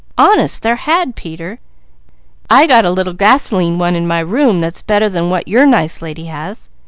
Honest there had Peter! I got a little gasoline one in my room that's better than what your nice lady has.